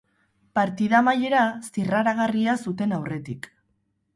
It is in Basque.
Partida amaiera zirraragarria zuten aurretik.